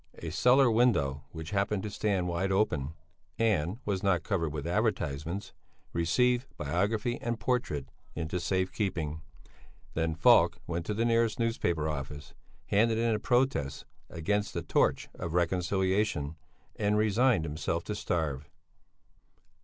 A cellar window which happened to stand wide open (and was not covered with advertisements) received biography and portrait into safe keeping. Then Falk went to the nearest newspaper office, handed in a protest against the Torch of Reconciliation, and resigned himself to starve.